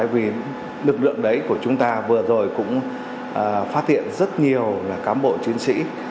vì lực lượng đấy của chúng ta vừa rồi cũng phát hiện rất nhiều là cám bộ chiến sĩ